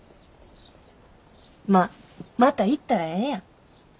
まあまた行ったらええやん。